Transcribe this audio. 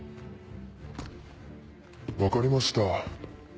分かりました。